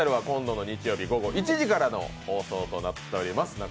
今度の日曜日午後１時からの放送となっております。